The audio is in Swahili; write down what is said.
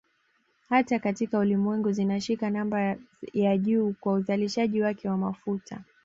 Hata katika Ulimwengu zinashika namba ya juu kwa uzalishaji wake wa mafuta